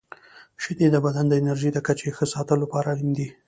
• شیدې د بدن د انرژۍ د کچې ښه ساتلو لپاره اړینې دي.